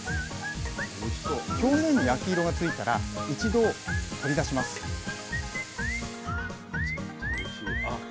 表面に焼き色がついたら一度取り出します